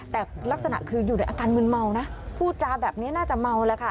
แต่ลักษณะคืออยู่ในอาการมืนเมานะพูดจาแบบนี้น่าจะเมาแล้วค่ะ